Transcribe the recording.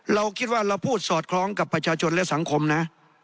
เราคิดว่าเราพูดสอดคล้องกับประชาชนและสังคมนะ